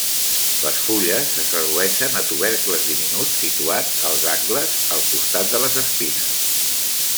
Les fulles es redueixen a tubercles diminuts situats als angles, al costat de les espines.